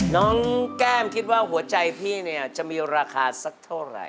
น้องแก้มคิดว่าหัวใจพี่เนี่ยจะมีราคาสักเท่าไหร่